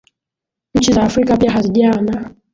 nchi za afrika pia hazijawa na